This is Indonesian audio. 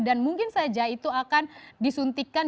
dan mungkin saja itu akan disuntikkan